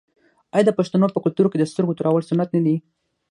آیا د پښتنو په کلتور کې د سترګو تورول سنت نه دي؟